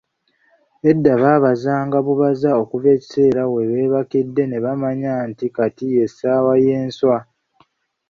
Edda baabazanga bubaza okuva ekiseera webeebakidde nebamanya nti kati ye ssaawa ey'enswa.